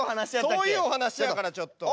そういうお話やからちょっと。